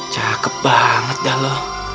cakep banget dah lo